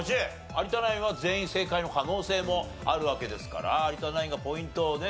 有田ナインは全員正解の可能性もあるわけですから有田ナインがポイントをね